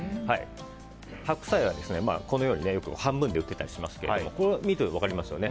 白菜は、このように半分で売っていたりしますけど見て分かりますよね。